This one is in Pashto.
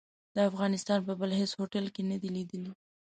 د افغانستان په بل هيڅ هوټل کې نه دي ليدلي.